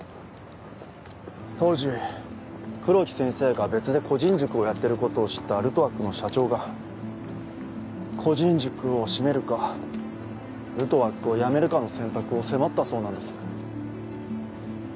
当時黒木先生が別で個人塾をやってることを知ったルトワックの社長が個人塾を閉めるかルトワックを辞めるかの選択を迫ったそうなんです。